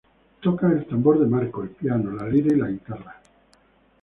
Toca el tambor de marco, el piano, la lira y la guitarra.